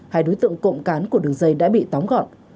hai đối tượng cộng cán của đường dây đã bị tóm gọn